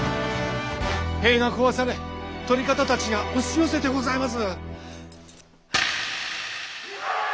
塀が壊され捕り方たちが押し寄せてございます！